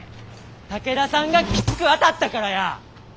武田さんがきつく当たったからや！